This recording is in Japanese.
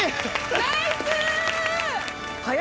ナイス！